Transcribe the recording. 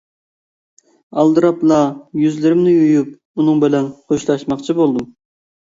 ئالدىراپلا يۈزلىرىمنى يۇيۇپ ئۇنىڭ بىلەن خوشلاشماقچى بولدۇم.